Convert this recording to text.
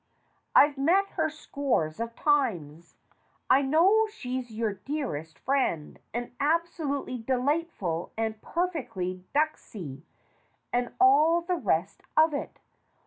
I've met her scores of times. I know she's your dearest friend, and absolutely delightful and per fectly ducksy, and all the rest of it.